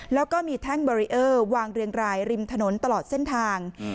แล้วก็มีแท่งบารีเออร์วางเรียงรายริมถนนตลอดเส้นทาง